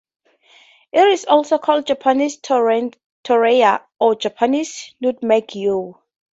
It is also called Japanese torreya or Japanese nutmeg-yew.